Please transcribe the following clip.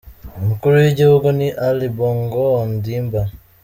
Umukuru w’igihugu ni Ali Bongo Ondimba.